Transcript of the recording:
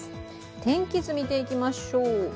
天気図、見ていきましょう。